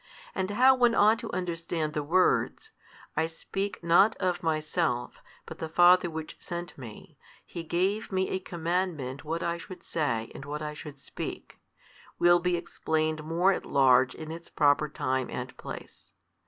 And how one ought to understand the words, I speak not of Myself, but the Father Which sent Me, He gave Me a commandment what I should say and what I should speak, will be explained more at large in its proper time and place.